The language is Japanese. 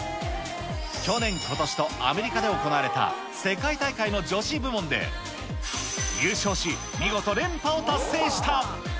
去年、ことしとアメリカで行われた世界大会の女子部門で、優勝し、見事連覇を達成した。